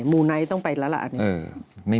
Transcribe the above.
มูไนท์ต้องไปแล้วล่ะอันนี้